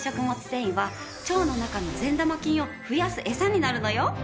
繊維は腸の中の善玉菌を増やすエサになるのよ。